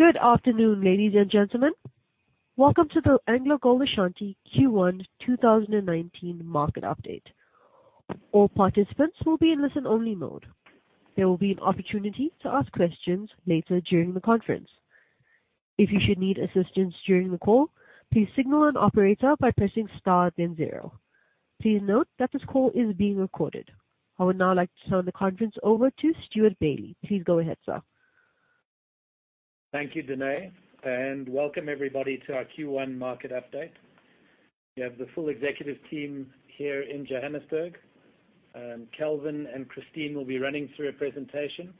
Good afternoon, ladies and gentlemen. Welcome to the AngloGold Ashanti Q1 2019 market update. All participants will be in listen only mode. There will be an opportunity to ask questions later during the conference. If you should need assistance during the call, please signal an operator by pressing star then zero. Please note that this call is being recorded. I would now like to turn the conference over to Stewart Bailey. Please go ahead, sir. Thank you, Danae. Welcome everybody to our Q1 market update. We have the full executive team here in Johannesburg. Kelvin and Christine will be running through a presentation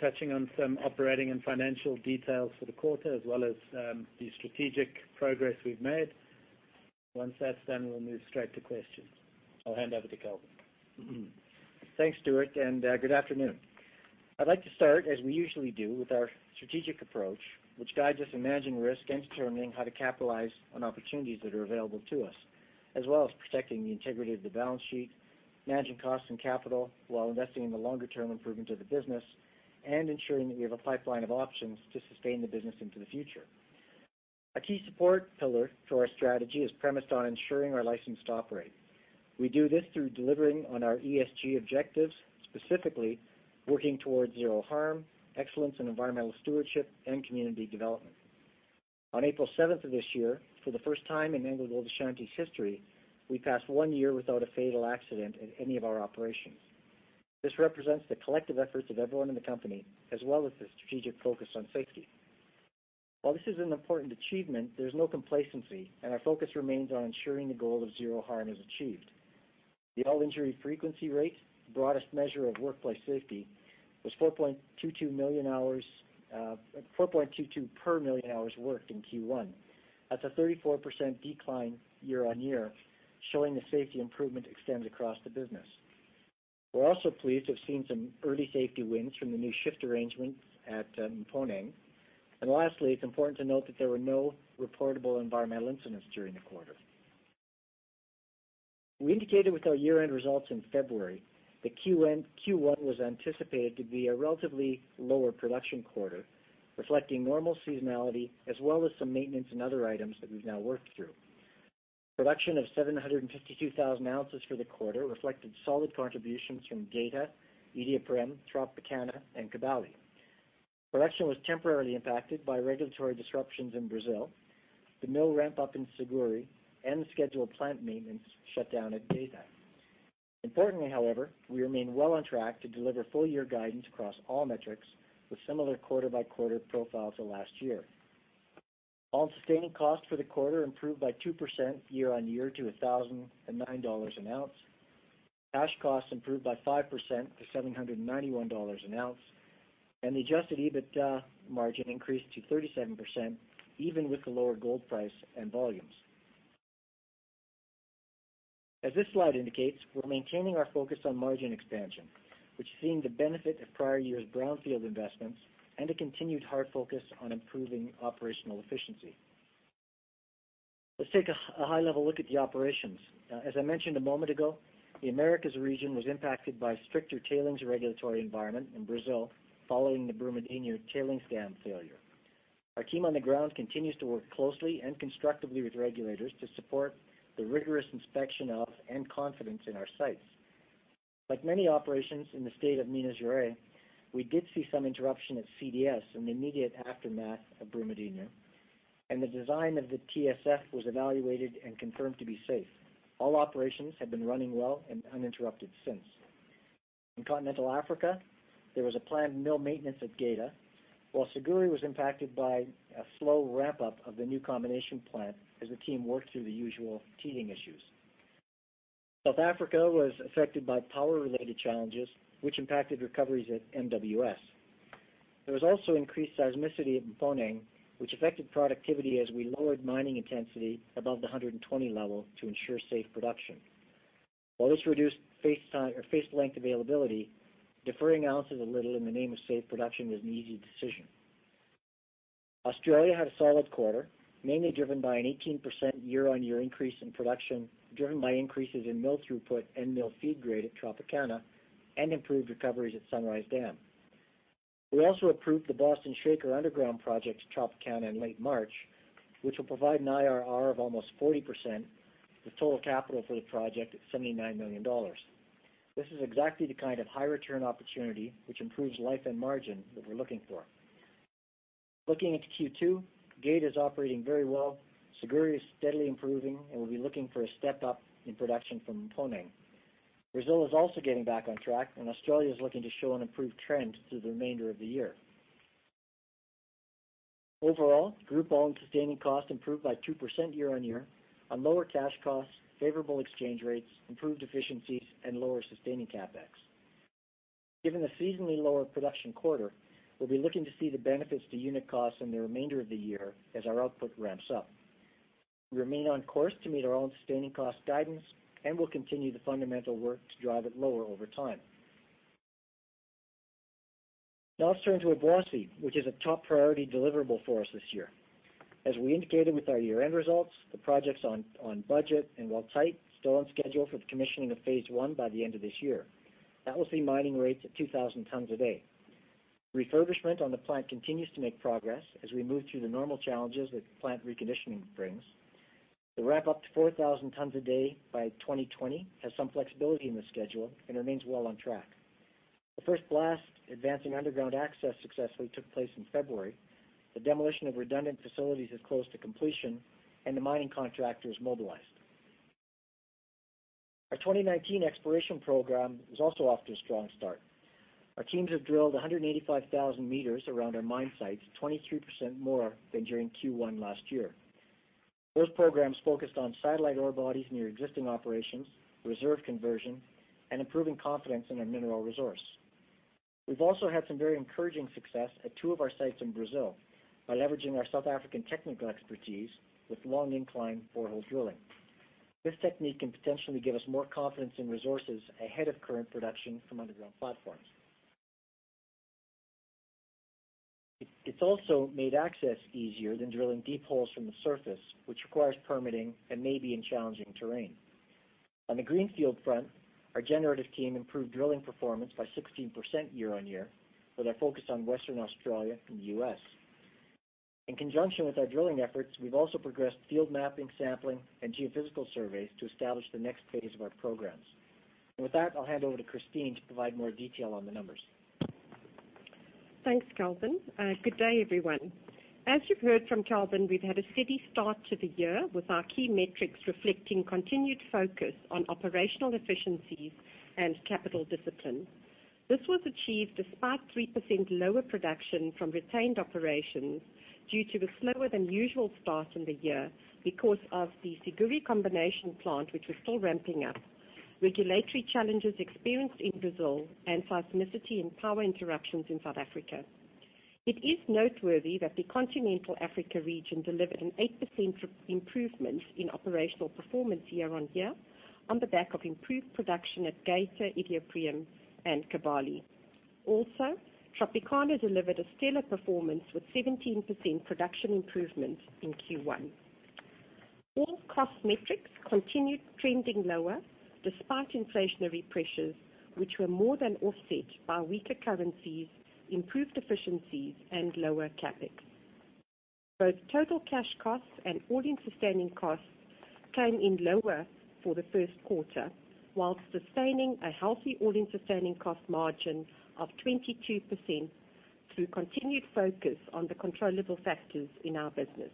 touching on some operating and financial details for the quarter, as well as the strategic progress we've made. Once that's done, we'll move straight to questions. I'll hand over to Kelvin. Thanks, Stewart. Good afternoon. I'd like to start, as we usually do, with our strategic approach, which guides us in managing risk and determining how to capitalize on opportunities that are available to us, as well as protecting the integrity of the balance sheet, managing costs and capital while investing in the longer-term improvement of the business, and ensuring that we have a pipeline of options to sustain the business into the future. A key support pillar for our strategy is premised on ensuring our license to operate. We do this through delivering on our ESG objectives, specifically working towards zero harm, excellence in environmental stewardship, and community development. On April 7th of this year, for the first time in AngloGold Ashanti's history, we passed one year without a fatal accident in any of our operations. This represents the collective efforts of everyone in the company, as well as the strategic focus on safety. While this is an important achievement, there's no complacency, and our focus remains on ensuring the goal of zero harm is achieved. The all-injury frequency rate, broadest measure of workplace safety, was 4.22 per million hours worked in Q1. That's a 34% decline year-on-year, showing the safety improvement extends across the business. We're also pleased to have seen some early safety wins from the new shift arrangements at Mponeng. Lastly, it's important to note that there were no reportable environmental incidents during the quarter. We indicated with our year-end results in February that Q1 was anticipated to be a relatively lower production quarter, reflecting normal seasonality as well as some maintenance and other items that we've now worked through. Production of 752,000 ounces for the quarter reflected solid contributions from Geita, Iduapriem, Tropicana, and Kibali. Production was temporarily impacted by regulatory disruptions in Brazil, the mill ramp-up in Siguiri, and the scheduled plant maintenance shutdown at Geita. Importantly, however, we remain well on track to deliver full year guidance across all metrics with similar quarter-by-quarter profiles to last year. All-in sustaining costs for the quarter improved by 2% year-on-year to $1,009 an ounce. Cash costs improved by 5% to $791 an ounce, and the adjusted EBITDA margin increased to 37%, even with the lower gold price and volumes. As this slide indicates, we're maintaining our focus on margin expansion, which is seeing the benefit of prior years' brownfield investments and a continued hard focus on improving operational efficiency. Let's take a high-level look at the operations. As I mentioned a moment ago, the Americas region was impacted by stricter tailings regulatory environment in Brazil following the Brumadinho tailings dam failure. Our team on the ground continues to work closely and constructively with regulators to support the rigorous inspection of and confidence in our sites. Like many operations in the state of Minas Gerais, we did see some interruption at CDS in the immediate aftermath of Brumadinho, and the design of the TSF was evaluated and confirmed to be safe. All operations have been running well and uninterrupted since. In Continental Africa, there was a planned mill maintenance at Geita, while Siguiri was impacted by a slow ramp-up of the new combination plant as the team worked through the usual teething issues. South Africa was affected by power-related challenges, which impacted recoveries at MWS. There was also increased seismicity at Mponeng, which affected productivity as we lowered mining intensity above the 120 level to ensure safe production. While this reduced face length availability, deferring ounces a little in the name of safe production was an easy decision. Australia had a solid quarter, mainly driven by an 18% year-on-year increase in production, driven by increases in mill throughput and mill feed grade at Tropicana, and improved recoveries at Sunrise Dam. We also approved the Boston Shaker underground project at Tropicana in late March, which will provide an IRR of almost 40%, with total capital for the project at $79 million. This is exactly the kind of high return opportunity which improves life and margin that we're looking for. Looking into Q2, Geita is operating very well, Siguiri is steadily improving, and we'll be looking for a step up in production from Mponeng. Brazil is also getting back on track, and Australia is looking to show an improved trend through the remainder of the year. Overall, group all-in sustaining costs improved by 2% year-on-year on lower cash costs, favorable exchange rates, improved efficiencies, and lower sustaining CapEx. Given the seasonally lower production quarter, we'll be looking to see the benefits to unit costs in the remainder of the year as our output ramps up. We remain on course to meet our all-in sustaining cost guidance and will continue the fundamental work to drive it lower over time. Now let's turn to Obuasi, which is a top priority deliverable for us this year. As we indicated with our year-end results, the project's on budget, and while tight, still on schedule for the commissioning of phase one by the end of this year. That will see mining rates at 2,000 tons a day. Refurbishment on the plant continues to make progress as we move through the normal challenges that plant reconditioning brings. The ramp up to 4,000 tons a day by 2020 has some flexibility in the schedule and remains well on track. The first blast advancing underground access successfully took place in February. The demolition of redundant facilities is close to completion, and the mining contractor is mobilized. Our 2019 exploration program is also off to a strong start. Our teams have drilled 185,000 meters around our mine sites, 23% more than during Q1 last year. Those programs focused on satellite ore bodies near existing operations, reserve conversion, and improving confidence in our mineral resource. We've also had some very encouraging success at two of our sites in Brazil by leveraging our South African technical expertise with long incline borehole drilling. This technique can potentially give us more confidence in resources ahead of current production from underground platforms. It's also made access easier than drilling deep holes from the surface, which requires permitting and may be in challenging terrain. On the greenfield front, our generative team improved drilling performance by 16% year-on-year with our focus on Western Australia and the U.S. In conjunction with our drilling efforts, we've also progressed field mapping, sampling, and geophysical surveys to establish the next phase of our programs. With that, I'll hand over to Christine to provide more detail on the numbers. Thanks, Kelvin. Good day, everyone. As you've heard from Kelvin, we've had a steady start to the year, with our key metrics reflecting continued focus on operational efficiencies and capital discipline. This was achieved despite 3% lower production from retained operations due to the slower-than-usual start in the year, because of the Siguiri combination plant, which was still ramping up, regulatory challenges experienced in Brazil, and seismicity and power interruptions in South Africa. It is noteworthy that the Continental Africa region delivered an 8% improvement in operational performance year-on-year on the back of improved production at Geita, Iduapriem, and Kibali. Tropicana delivered a stellar performance with 17% production improvements in Q1. All cost metrics continued trending lower despite inflationary pressures, which were more than offset by weaker currencies, improved efficiencies, and lower CapEx. Both total cash costs and all-in sustaining costs came in lower for the first quarter, whilst sustaining a healthy all-in sustaining cost margin of 22% through continued focus on the controllable factors in our business.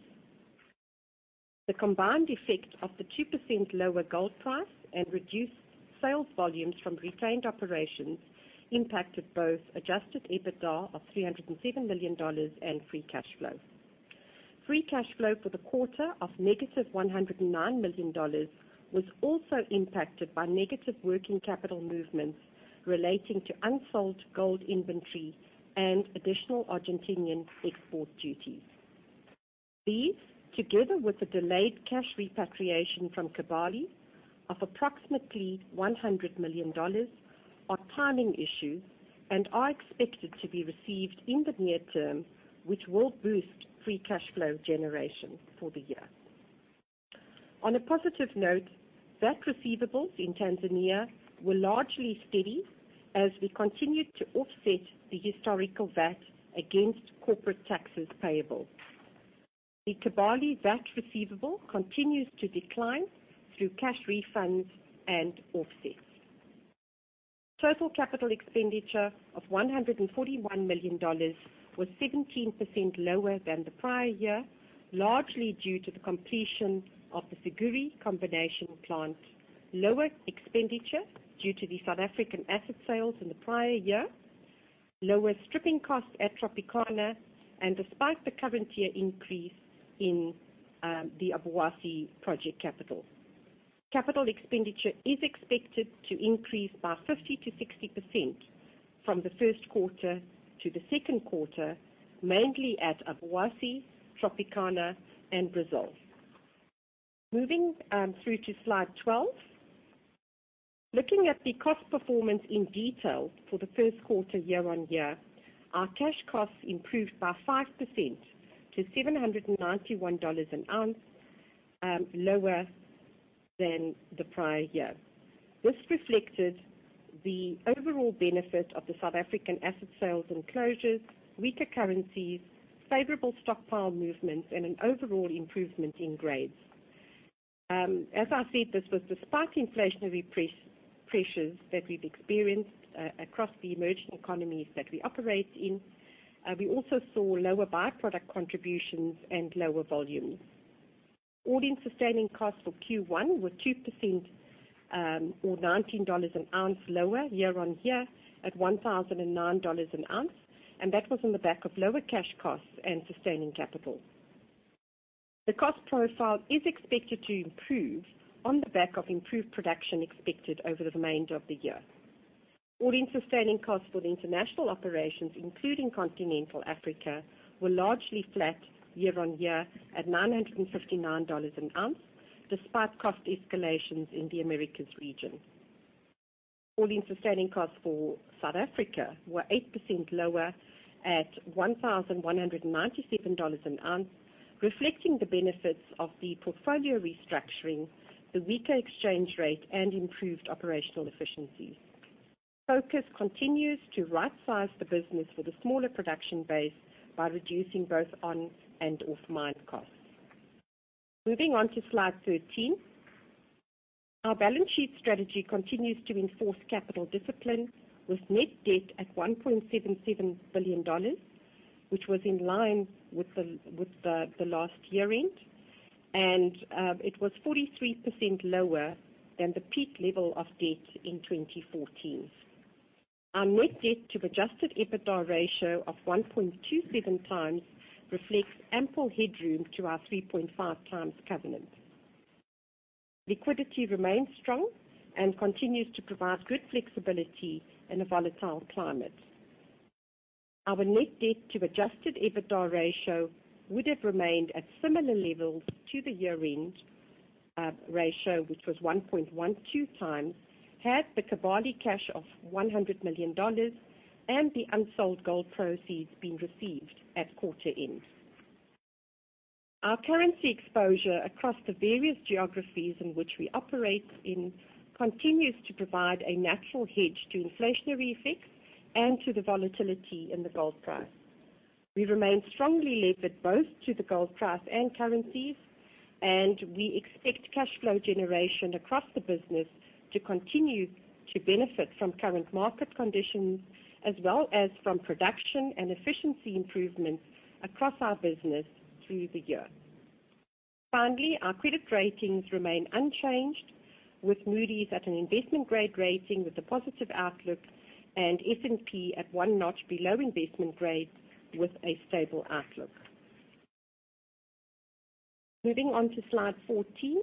The combined effect of the 2% lower gold price and reduced sales volumes from retained operations impacted both adjusted EBITDA of $307 million and free cash flow. Free cash flow for the quarter of -$109 million was also impacted by negative working capital movements relating to unsold gold inventory and additional Argentinian export duties. These, together with the delayed cash repatriation from Kibali of approximately $100 million, are timing issues and are expected to be received in the near term, which will boost free cash flow generation for the year. On a positive note, VAT receivables in Tanzania were largely steady as we continued to offset the historical VAT against corporate taxes payable. The Kibali VAT receivable continues to decline through cash refunds and offsets. Total capital expenditure of $141 million was 17% lower than the prior year, largely due to the completion of the Siguiri combination plant, lower expenditure due to the South African asset sales in the prior year, lower stripping costs at Tropicana, and despite the current year increase in the Obuasi project capital. Capital expenditure is expected to increase by 50%-60% from the first quarter to the second quarter, mainly at Obuasi, Tropicana, and Brazil. Moving through to slide 12. Looking at the cost performance in detail for the first quarter year-on-year, our cash costs improved by 5% to $791 an ounce, lower than the prior year. This reflected the overall benefit of the South African asset sales and closures, weaker currencies, favorable stockpile movements, and an overall improvement in grades. As I said, this was despite inflationary pressures that we've experienced across the emerging economies that we operate in. We also saw lower by-product contributions and lower volumes. All-in sustaining costs for Q1 were 2% or $19 an ounce lower year-on-year at $1,009 an ounce, and that was on the back of lower cash costs and sustaining capital. The cost profile is expected to improve on the back of improved production expected over the remainder of the year. All-in sustaining costs for the international operations, including continental Africa, were largely flat year-on-year at $959 an ounce, despite cost escalations in the Americas region. All-in sustaining costs for South Africa were 8% lower at $1,197 an ounce, reflecting the benefits of the portfolio restructuring, the weaker exchange rate, and improved operational efficiencies. Focus continues to right-size the business with a smaller production base by reducing both on and off mine costs. Moving on to slide 13. Our balance sheet strategy continues to enforce capital discipline with net debt at $1.77 billion, which was in line with the last year-end, and it was 43% lower than the peak level of debt in 2014. Our net debt to adjusted EBITDA ratio of 1.27 times reflects ample headroom to our 3.5 times covenant. Liquidity remains strong and continues to provide good flexibility in a volatile climate. Our net debt to adjusted EBITDA ratio would have remained at similar levels to the year-end ratio, which was 1.12 times, had the Kibali cash of $100 million and the unsold gold proceeds been received at quarter end. Our currency exposure across the various geographies in which we operate in continues to provide a natural hedge to inflationary effects and to the volatility in the gold price. We remain strongly levered both to the gold price and currencies, and we expect cash flow generation across the business to continue to benefit from current market conditions as well as from production and efficiency improvements across our business through the year. Finally, our credit ratings remain unchanged, with Moody's at an investment grade rating with a positive outlook and S&P at one notch below investment grade with a stable outlook. Moving on to slide 14.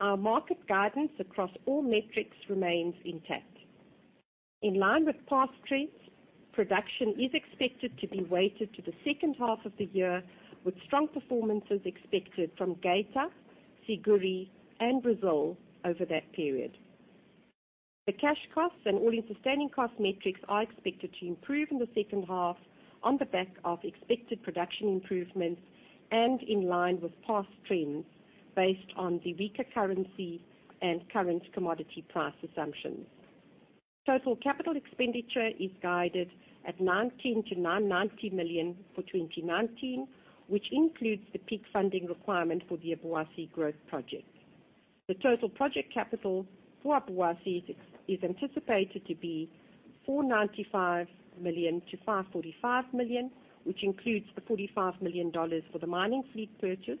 Our market guidance across all metrics remains intact. In line with past trends, production is expected to be weighted to the second half of the year, with strong performances expected from Geita, Siguiri, and Brazil over that period. The cash costs and all-in sustaining costs metrics are expected to improve in the second half on the back of expected production improvements and in line with past trends based on the weaker currency and current commodity price assumptions. Total capital expenditure is guided at $90 million-$990 million for 2019, which includes the peak funding requirement for the Obuasi growth project. The total project capital for Obuasi is anticipated to be $495 million-$545 million, which includes the $45 million for the mining fleet purchase,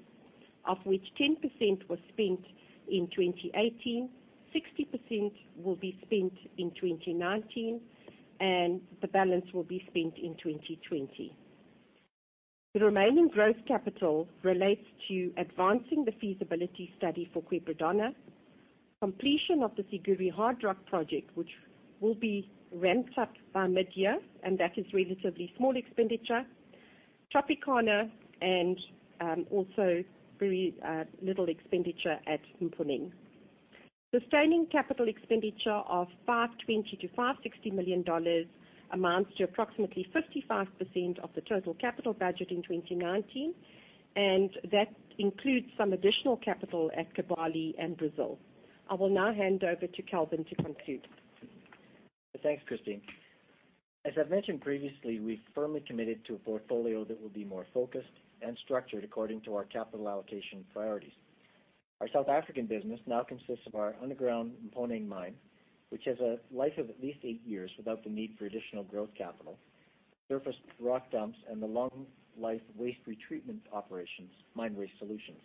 of which 10% was spent in 2018, 60% will be spent in 2019, and the balance will be spent in 2020. The remaining growth capital relates to advancing the feasibility study for Quebradona, completion of the Siguiri hard rock project, which will be ramped up by mid-year, and that is relatively small expenditure, Tropicana, and also very little expenditure at Mponeng. Sustaining capital expenditure of $520 million-$560 million amounts to approximately 55% of the total capital budget in 2019, that includes some additional capital at Kibali and Brazil. I will now hand over to Kelvin to conclude. Thanks, Christine. As I've mentioned previously, we've firmly committed to a portfolio that will be more focused and structured according to our capital allocation priorities. Our South African business now consists of our underground Mponeng mine, which has a life of at least eight years without the need for additional growth capital, surface rock dumps, and the long-life waste retreatment operations, Mine Waste Solutions.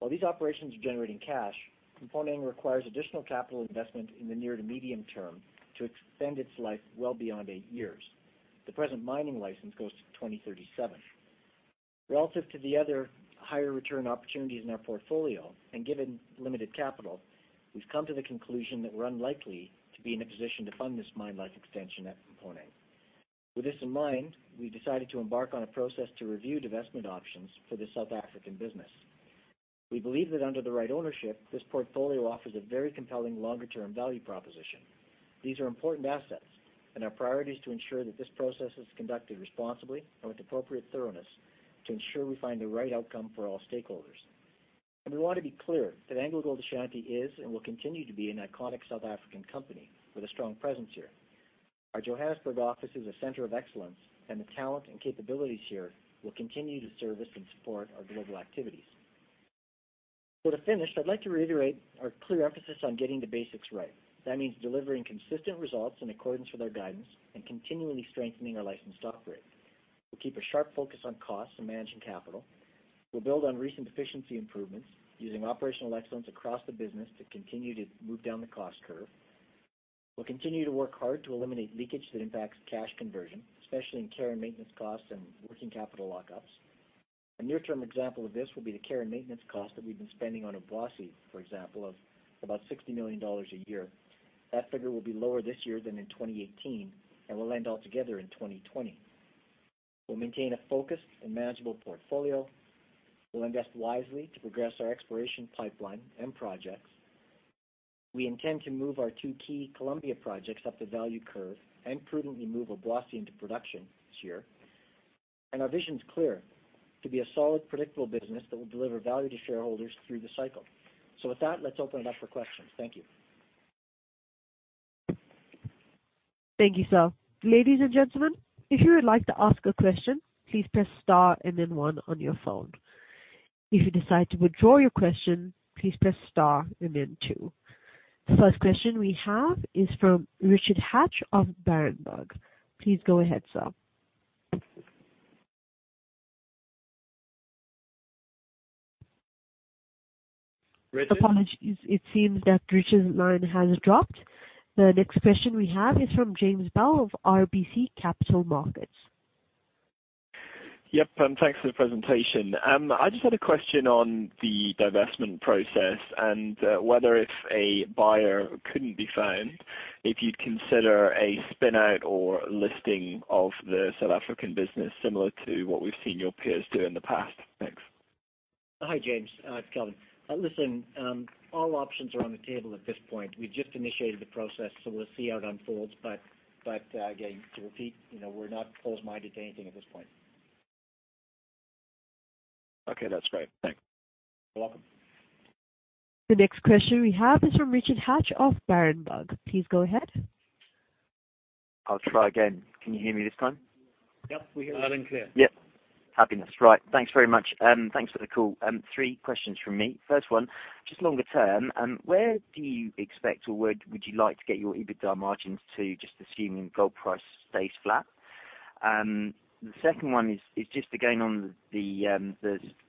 While these operations are generating cash, Mponeng requires additional capital investment in the near to medium term to extend its life well beyond eight years. The present mining license goes to 2037. Relative to the other higher return opportunities in our portfolio and given limited capital, we've come to the conclusion that we're unlikely to be in a position to fund this mine life extension at Mponeng. With this in mind, we decided to embark on a process to review divestment options for the South African business. We believe that under the right ownership, this portfolio offers a very compelling longer-term value proposition. These are important assets, and our priority is to ensure that this process is conducted responsibly and with appropriate thoroughness to ensure we find the right outcome for all stakeholders. We want to be clear that AngloGold Ashanti is and will continue to be an iconic South African company with a strong presence here. Our Johannesburg office is a center of excellence, and the talent and capabilities here will continue to service and support our global activities. To finish, I'd like to reiterate our clear emphasis on getting the basics right. That means delivering consistent results in accordance with our guidance and continually strengthening our license to operate. We'll keep a sharp focus on costs and managing capital. We'll build on recent efficiency improvements using operational excellence across the business to continue to move down the cost curve. We'll continue to work hard to eliminate leakage that impacts cash conversion, especially in care and maintenance costs and working capital lockups. A near-term example of this will be the care and maintenance cost that we've been spending on Obuasi, for example, of about $60 million a year. That figure will be lower this year than in 2018 and will end altogether in 2020. We'll maintain a focused and manageable portfolio. We'll invest wisely to progress our exploration pipeline and projects. We intend to move our two key Colombia projects up the value curve and prudently move Obuasi into production this year. Our vision is clear, to be a solid, predictable business that will deliver value to shareholders through the cycle. With that, let's open it up for questions. Thank you. Thank you, sir. Ladies and gentlemen, if you would like to ask a question, please press star and then one on your phone. If you decide to withdraw your question, please press star and then two. The first question we have is from Richard Hatch of Berenberg. Please go ahead, sir. Richard? Apologies. It seems that Richard's line has dropped. The next question we have is from James Bell of RBC Capital Markets. Thanks for the presentation. I just had a question on the divestment process and whether if a buyer couldn't be found, if you'd consider a spin-out or listing of the South African business similar to what we've seen your peers do in the past. Thanks. Hi, James. It's Kelvin. Listen, all options are on the table at this point. We just initiated the process, we'll see how it unfolds. Again, to repeat, we're not closed-minded to anything at this point. Okay, that's great. Thanks. You're welcome. The next question we have is from Richard Hatch of Berenberg. Please go ahead. I'll try again. Can you hear me this time? Yep, we hear you loud and clear. Yep. Happiness. Right. Thanks very much. Thanks for the call. Three questions from me. First one, just longer term, where do you expect, or where would you like to get your EBITDA margins to, just assuming gold price stays flat? The second one is just again on the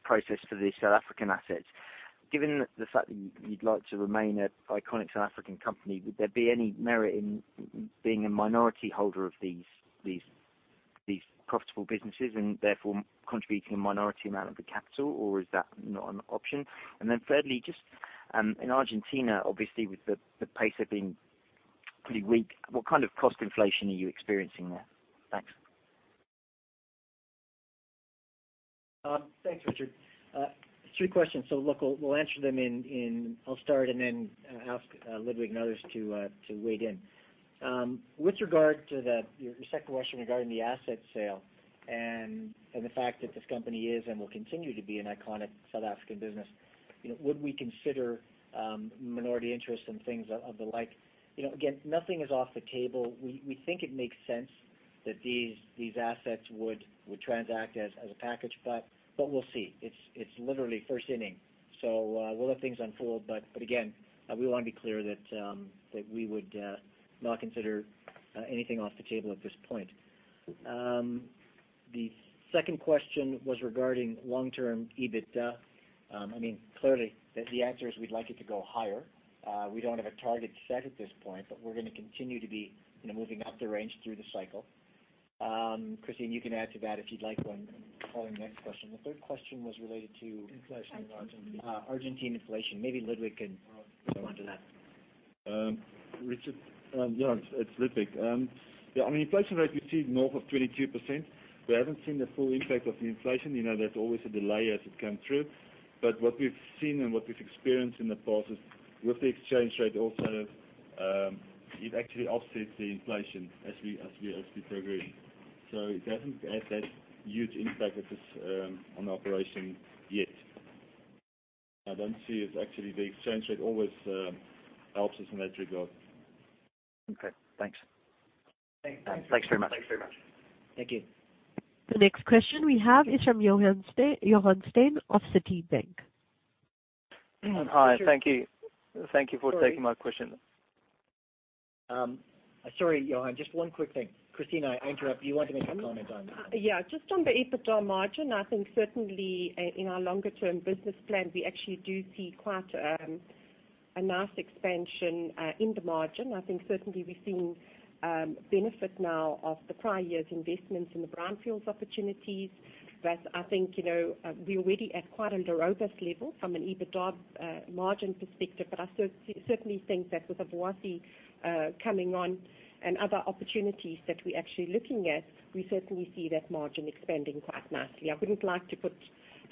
process for the South African assets. Given the fact that you'd like to remain an iconic South African company, would there be any merit in being a minority holder of these profitable businesses and therefore contributing a minority amount of the capital, or is that not an option? And then thirdly, just in Argentina, obviously with the peso being pretty weak, what kind of cost inflation are you experiencing there? Thanks. Thanks, Richard. Three questions. Look, we'll answer them in I'll start and then ask Ludwig and others to weigh in. With regard to your second question regarding the asset sale and the fact that this company is and will continue to be an iconic South African business, would we consider minority interest and things of the like? Again, nothing is off the table. We think it makes sense that these assets would transact as a package, we'll see. It's literally first inning, so we'll let things unfold. Again, we want to be clear that we would not consider anything off the table at this point. The second question was regarding long-term EBITDA. Clearly, the answer is we'd like it to go higher. We don't have a target set at this point, but we're going to continue to be moving up the range through the cycle. Christine, you can add to that if you'd like when calling the next question. The third question was related to- Inflation in Argentina. Argentina inflation. Maybe Ludwig can jump onto that. Richard, yeah, it's Ludwig. Yeah, on the inflation rate, we see north of 22%. We haven't seen the full impact of the inflation. There's always a delay as it come through. What we've seen and what we've experienced in the past is with the exchange rate also, it actually offsets the inflation as we progress. It hasn't had that huge impact on the operation yet. I don't see it actually. The exchange rate always helps us in that regard. Okay, thanks. Thanks. Thanks very much. Thanks very much. Thank you. The next question we have is from Johann Steyn of Citi. Richard. Hi. Thank you. Thank you for taking my question. Sorry, Johann, just one quick thing. Christine, I interrupt, you wanted to make a comment on that. Yeah. Just on the EBITDA margin, I think certainly in our longer-term business plan, we actually do see quite a nice expansion in the margin. I think certainly we're seeing benefit now of the prior year's investments in the brownfields opportunities. I think we're already at quite a robust level from an EBITDA margin perspective. I certainly think that with Obuasi coming on and other opportunities that we're actually looking at, we certainly see that margin expanding quite nicely. I wouldn't like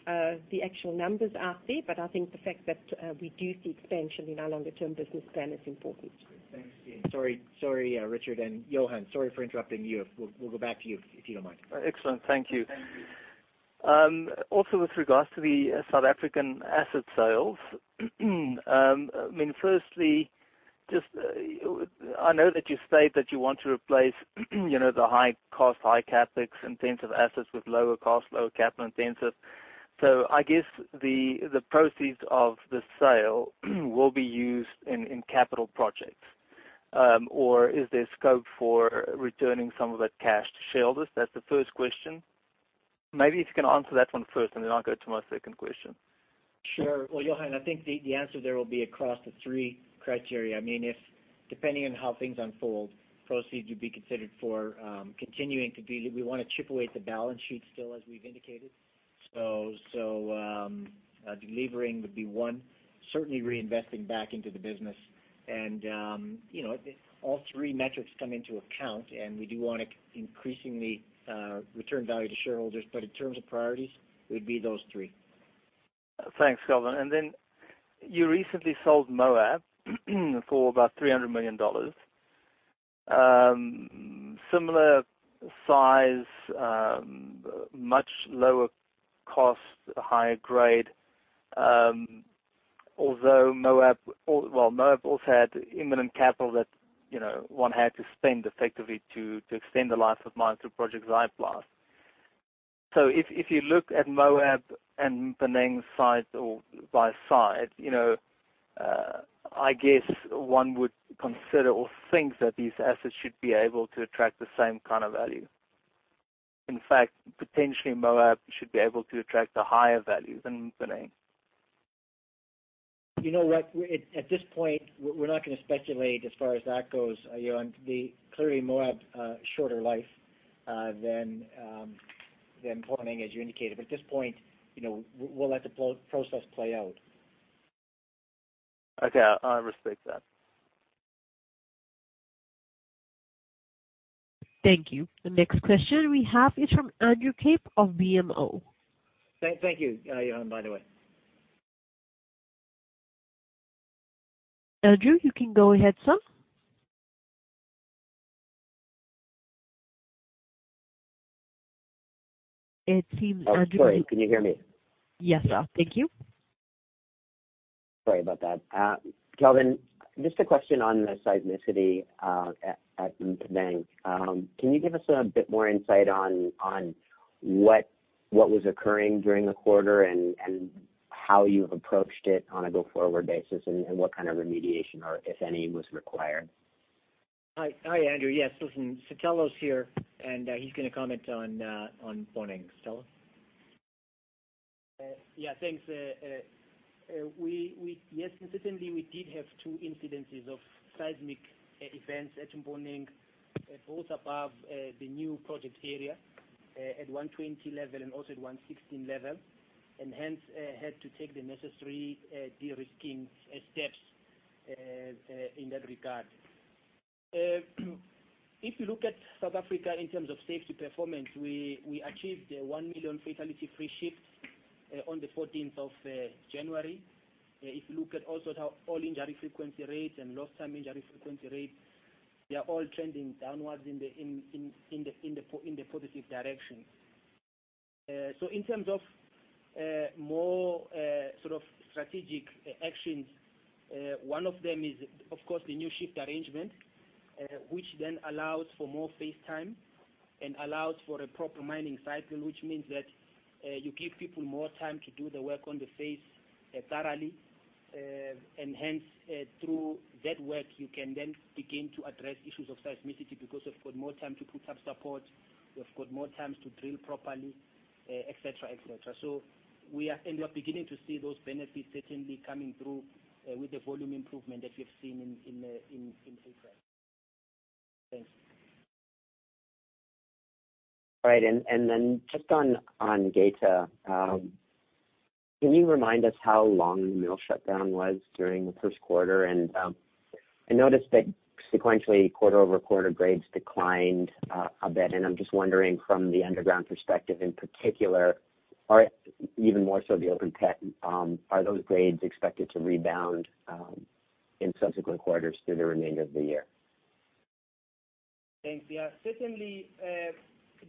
to put the actual numbers out there, but I think the fact that we do see expansion in our longer-term business plan is important. Thanks, Christine. Sorry, Richard, and Johann, sorry for interrupting you. We'll go back to you if you don't mind. Excellent. Thank you. Also with regards to the South African asset sales, firstly, I know that you've stated that you want to replace the high cost, high CapEx intensive assets with lower cost, lower capital intensive. I guess the proceeds of the sale will be used in capital projects. Is there scope for returning some of that cash to shareholders? That's the first question. Maybe if you can answer that one first, and then I'll go to my second question. Sure. Well, Johann, I think the answer there will be across the three criteria. Depending on how things unfold, proceeds would be considered for continuing to de-leverage. We want to chip away at the balance sheet still, as we've indicated. De-leveraging would be one. Certainly reinvesting back into the business. All three metrics come into account, and we do want to increasingly return value to shareholders. In terms of priorities, it would be those three. Thanks, Kelvin. Then you recently sold Moab for about $300 million. Similar size, much lower cost, higher grade. Although Moab also had imminent capital that one had to spend effectively to extend the life of mine through Project Lifeline. If you look at Moab and Mponeng side by side, I guess one would consider or think that these assets should be able to attract the same kind of value. In fact, potentially Moab should be able to attract a higher value than Mponeng. You know what? At this point, we're not going to speculate as far as that goes, Johann. Clearly Moab, shorter life than Mponeng, as you indicated. At this point, we'll let the process play out. Okay. I respect that. Thank you. The next question we have is from Andrew Kaip of BMO. Thank you, Johann, by the way. Andrew, you can go ahead, sir. Sorry, can you hear me? Yes, sir. Thank you. Sorry about that. Kelvin, just a question on the seismicity at Mponeng. Can you give us a bit more insight on what was occurring during the quarter, and how you've approached it on a go-forward basis, and what kind of remediation, or if any, was required? Hi, Andrew. Yes, listen, Sicelo's here. He's going to comment on Mponeng. Sicelo? Thanks. Yes, incidentally, we did have two incidences of seismic events at Mponeng, both above the new project area, at 120 level and also at 116 level. Hence, had to take the necessary de-risking steps in that regard. If you look at South Africa in terms of safety performance, we achieved 1 million fatality-free shifts on the 14th of January. If you look at also how all-injury frequency rates and lost time injury frequency rates, they are all trending downwards in the positive direction. In terms of more strategic actions, one of them is, of course, the new shift arrangement, which allows for more face time and allows for a proper mining cycle, which means that you give people more time to do the work on the face thoroughly. Hence, through that work, you can begin to address issues of seismicity because you've got more time to put up support, you've got more times to drill properly, et cetera. We are beginning to see those benefits certainly coming through with the volume improvement that we've seen in April. Thanks. Right. Just on Geita. Can you remind us how long the mill shutdown was during the first quarter? I noticed that sequentially, quarter-over-quarter grades declined a bit, and I'm just wondering from the underground perspective in particular, even more so the open pit, are those grades expected to rebound in subsequent quarters through the remainder of the year? Thanks. Certainly,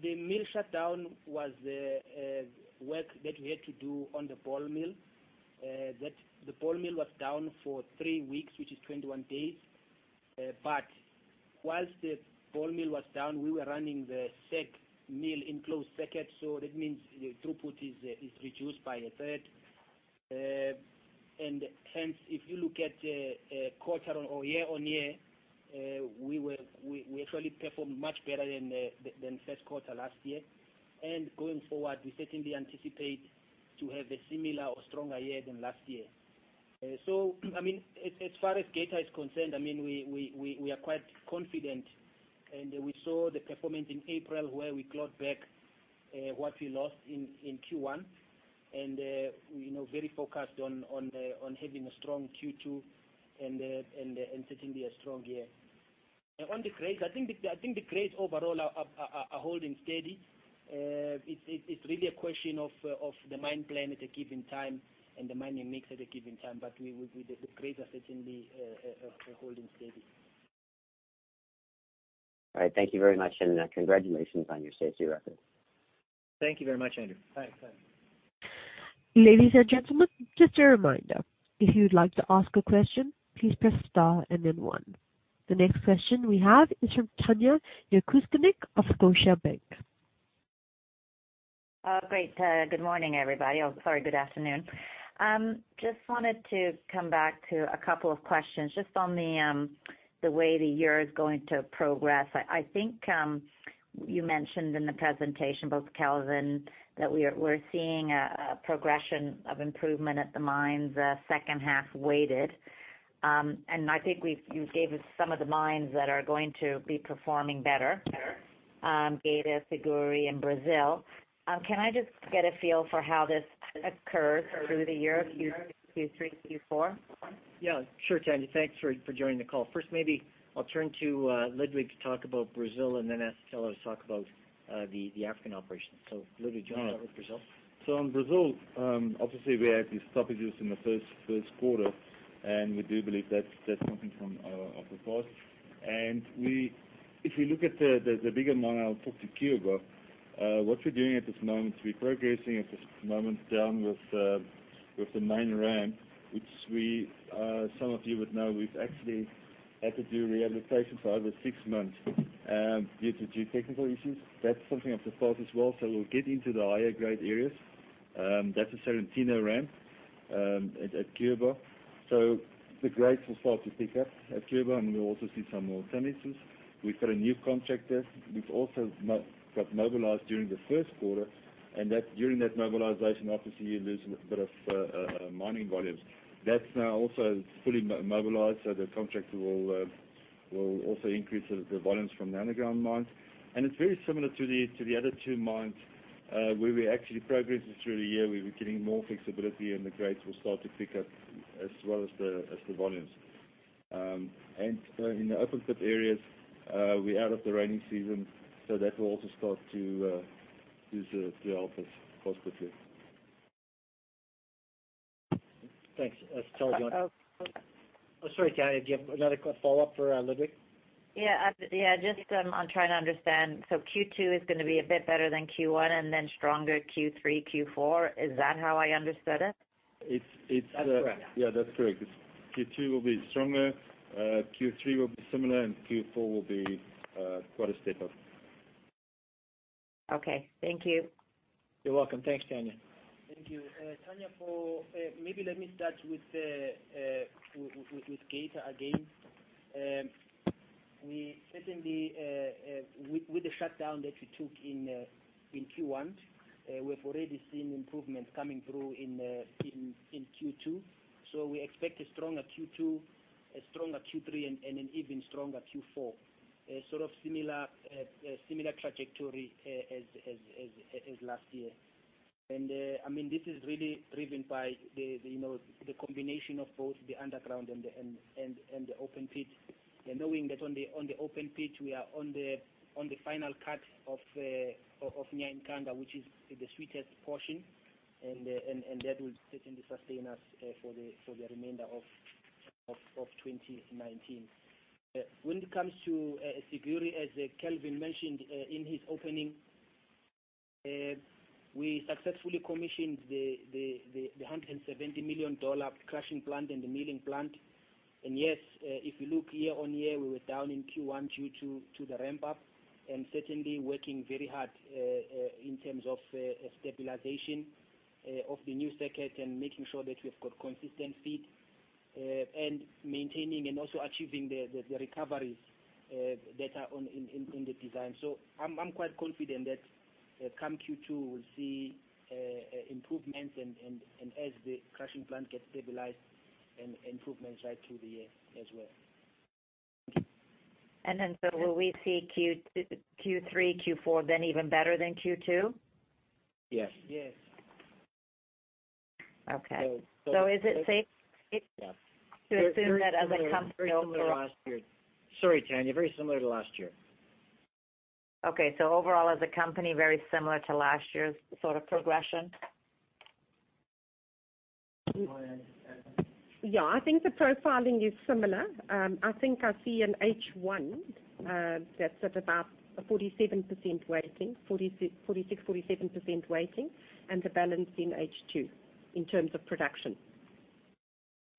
the mill shutdown was work that we had to do on the ball mill. The ball mill was down for three weeks, which is 21 days. Whilst the ball mill was down, we were running the SAG mill in closed circuit, that means the throughput is reduced by a third. Hence, if you look at quarter on or year-on-year, we actually performed much better than first quarter last year. Going forward, we certainly anticipate to have a similar or stronger year than last year. As far as Geita is concerned, we are quite confident, and we saw the performance in April where we clawed back what we lost in Q1. We're very focused on having a strong Q2 and certainly a strong year. On the grades, I think the grades overall are holding steady. It's really a question of the mine plan at a given time and the mining mix at a given time. The grades are certainly holding steady. All right. Thank you very much. Congratulations on your safety record. Thank you very much, Andrew. Thanks. Ladies and gentlemen, just a reminder, if you'd like to ask a question, please press star and then one. The next question we have is from Tanya Jakusconek of Scotiabank. Great. Good morning, everybody. Oh, sorry, good afternoon. Just wanted to come back to a couple of questions. Just on the way the year is going to progress. I think you mentioned in the presentation, both Kelvin, that we're seeing a progression of improvement at the mines second half weighted. I think you gave us some of the mines that are going to be performing better. Sure. Geita, Siguiri, and Brazil. Can I just get a feel for how this occurs through the year, Q3, Q4? Sure, Tanya. Thanks for joining the call. First, maybe I'll turn to Ludwig to talk about Brazil and then ask Sicelo to talk about the African operations. Ludwig, do you want to start with Brazil? On Brazil, obviously we had these stoppages in the first quarter. We do believe that's something from our past. If you look at the bigger mine, I'll talk to Cuiabá. What we're doing at this moment, we're progressing at this moment down with the main ramp, which some of you would know, we've actually had to do rehabilitation for over six months due to geotechnical issues. That's something of the past as well, so we'll get into the higher grade areas. That's the Serrotinho ramp at Cuiabá. The grades will start to pick up at Cuiabá, and we'll also see some more tonnages. We've got a new contractor, which also got mobilized during the first quarter, and during that mobilization, obviously, you lose a bit of mining volumes. That's now also fully mobilized, so the contractor will also increase the volumes from the underground mines. It's very similar to the other two mines, where we're actually progressing through the year. We'll be getting more flexibility, and the grades will start to pick up as well as the volumes. In the open pit areas, we're out of the rainy season, so that will also start to help us quite quickly. Thanks. Sicelo, do you want to Oh, sorry, Tanya, do you have another follow-up for Ludwig? Yeah. I'm trying to understand. Q2 is going to be a bit better than Q1, and then stronger Q3, Q4. Is that how I understood it? That's correct. Yeah, that's correct. Q2 will be stronger, Q3 will be similar, Q4 will be quite a step up. Okay. Thank you. You're welcome. Thanks, Tanya. Thank you. Tanya, maybe let me start with Geita again. Certainly, with the shutdown that we took in Q1, we have already seen improvements coming through in Q2. We expect a stronger Q2, a stronger Q3, and an even stronger Q4. A sort of similar trajectory as last year. This is really driven by the combination of both the underground and the open pit. Knowing that on the open pit, we are on the final cut of Nyankanga, which is the sweetest portion, and that will certainly sustain us for the remainder of 2019. When it comes to Siguiri, as Kelvin mentioned in his opening, we successfully commissioned the $170 million crushing plant and the milling plant. Yes, if you look year-on-year, we were down in Q1 due to the ramp up, and certainly working very hard in terms of stabilization of the new circuit and making sure that we've got consistent feed, and maintaining and also achieving the recoveries that are in the design. I'm quite confident that come Q2, we'll see improvements, and as the crushing plant gets stabilized, improvements right through the year as well. Will we see Q3, Q4 then even better than Q2? Yes. Yes. Okay. Is it safe to assume that as a company- Sorry, Tanya, very similar to last year. Okay. Overall, as a company, very similar to last year's sort of progression? Go ahead, Christine. Yeah. I think the profiling is similar. I think I see an H1 that's at about a 47% weighting, 46%-47% weighting, and the balance in H2 in terms of production.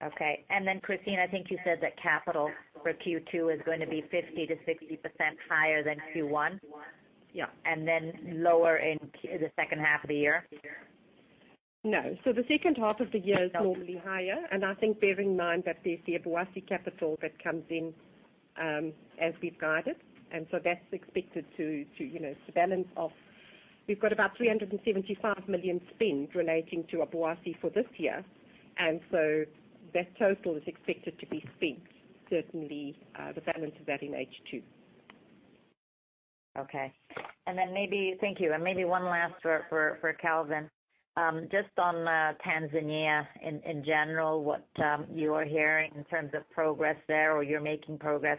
Okay. Christine, I think you said that CapEx for Q2 is going to be 50%-60% higher than Q1. Yeah. Lower in the second half of the year? No. The second half of the year is normally higher, and I think bearing in mind that there's the Obuasi CapEx that comes in as we've guided, and so that's expected to balance off. We've got about $375 million spend relating to Obuasi for this year, and so that total is expected to be spent, certainly, the balance of that in H2. Okay. Thank you. Maybe one last for Kelvin. Just on Tanzania in general, what you are hearing in terms of progress there, or you're making progress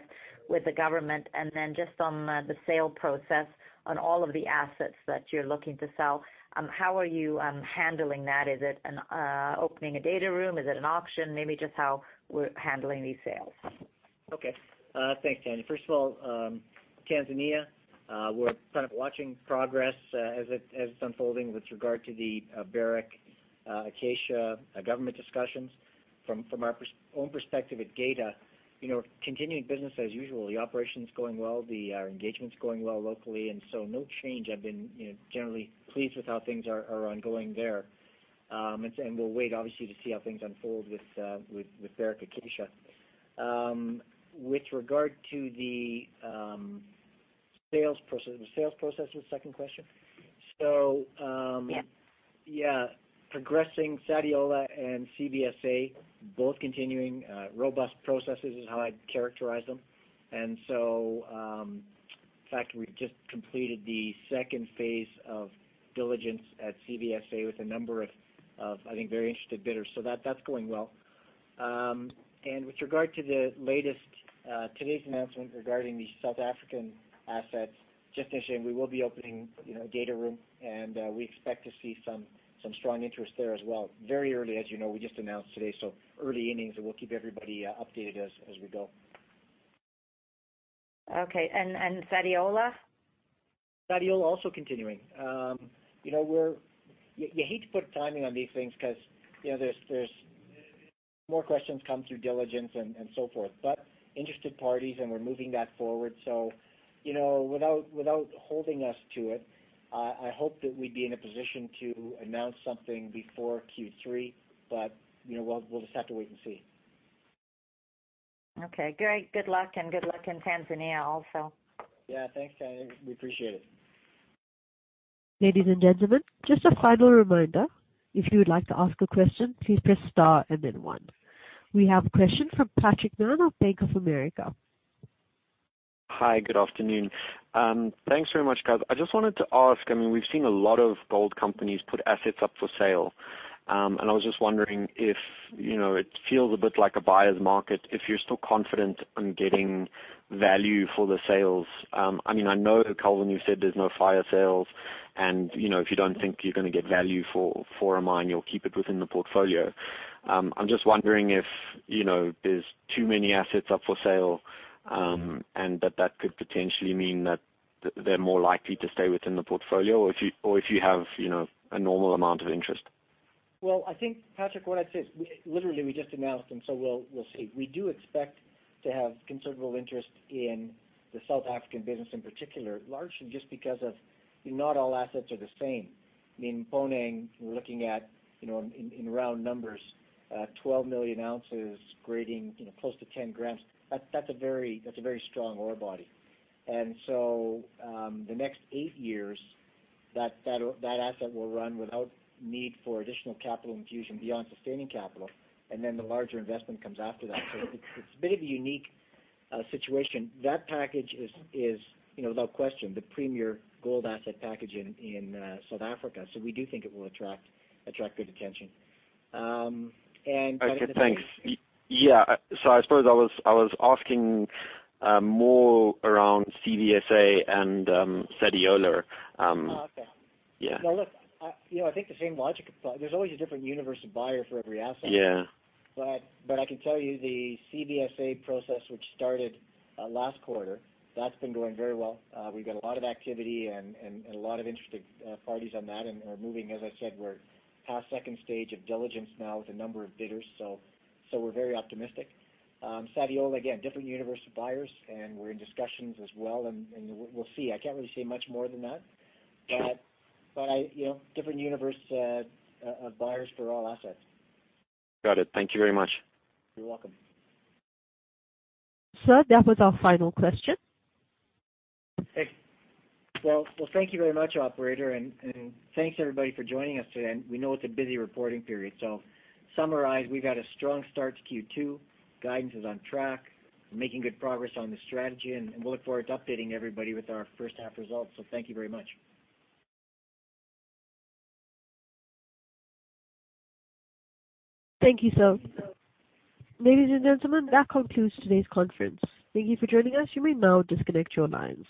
with the government. Just on the sale process on all of the assets that you're looking to sell, how are you handling that? Is it opening a data room? Is it an auction? Maybe just how we're handling these sales. Okay. Thanks, Tanya. First of all, Tanzania, we're kind of watching progress as it's unfolding with regard to the Barrick, Acacia government discussions. From our own perspective at Geita, continuing business as usual. The operation's going well, our engagement's going well locally, no change. I've been generally pleased with how things are ongoing there. We'll wait, obviously, to see how things unfold with Barrick Acacia. With regard to the sales process was the second question? Yeah Progressing Sadiola and CVSA, both continuing robust processes is how I'd characterize them. In fact, we've just completed the second phase of diligence at CVSA with a number of, I think, very interested bidders. That's going well. With regard to today's announcement regarding the South African assets, just mentioning, we will be opening a data room, and we expect to see some strong interest there as well. Very early, as you know, we just announced today, early innings, and we'll keep everybody updated as we go. Okay. Sadiola? Sadiola also continuing. You hate to put timing on these things because there's more questions come through diligence and so forth, but interested parties and we're moving that forward. Without holding us to it, I hope that we'd be in a position to announce something before Q3, but we'll just have to wait and see. Okay, great. Good luck, and good luck in Tanzania also. Thanks, Tanya. We appreciate it. Ladies and gentlemen, just a final reminder, if you would like to ask a question, please press star and then 1. We have a question from Patrick Mann of Bank of America. Hi, good afternoon. Thanks very much, guys. I just wanted to ask, we've seen a lot of gold companies put assets up for sale. I was just wondering if it feels a bit like a buyer's market if you're still confident on getting value for the sales. I know, Kelvin, you said there's no fire sales, and if you don't think you're going to get value for a mine, you'll keep it within the portfolio. I'm just wondering if there's too many assets up for sale, and that that could potentially mean that they're more likely to stay within the portfolio or if you have a normal amount of interest. Well, I think, Patrick, what I'd say is literally we just announced we'll see. We do expect to have considerable interest in the South African business in particular, largely just because of not all assets are the same. I mean, Mponeng, we're looking at, in round numbers, 12 million ounces grading close to 10 grams. That's a very strong ore body. The next 8 years, that asset will run without need for additional capital infusion beyond sustaining capital, and then the larger investment comes after that. It's a bit of a unique situation. That package is, without question, the premier gold asset package in South Africa. We do think it will attract good attention. Okay, thanks. Yeah. I suppose I was asking more around CVSA and Sadiola. Oh, okay. Yeah. Now look, I think the same logic applies. There's always a different universe of buyer for every asset. Yeah. I can tell you the CVSA process, which started last quarter, that's been going very well. We've got a lot of activity and a lot of interested parties on that, and are moving, as I said, we're past stage 2 of diligence now with a number of bidders. We're very optimistic. Sadiola, again, different universe of buyers, and we're in discussions as well, and we'll see. I can't really say much more than that. Different universe of buyers for all assets. Got it. Thank you very much. You're welcome. Sir, that was our final question. Thanks. Well, thank you very much, operator, and thanks everybody for joining us today. We know it's a busy reporting period. To summarize, we've had a strong start to Q2, guidance is on track. We're making good progress on the strategy, and we look forward to updating everybody with our first half results. Thank you very much. Thank you, sir. Ladies and gentlemen, that concludes today's conference. Thank you for joining us. You may now disconnect your lines.